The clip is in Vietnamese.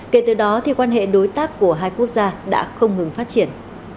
kể từ đó thì quan hệ đối tác của hai quốc gia đã không ngừng phát triển